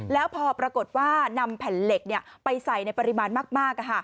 แล้วพอปรากฏว่านำแผ่นเหล็กไปใส่ในปริมาณมาก